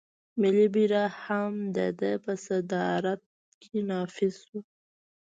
ملي بیرغ هم د ده په صدارت کې نافذ شو.